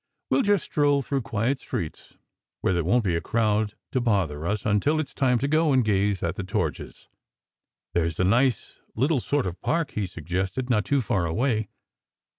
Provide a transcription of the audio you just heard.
We ll just stroll through quiet streets, where there won t be a crowd to bother us, until it s time to go and gaze at the torches." "There s a nice little sort of park," he suggested, "not too far away.